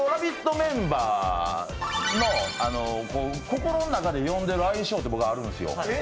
メンバーの心の中で呼んでる愛称が僕あるんですよ